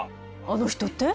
あの人って？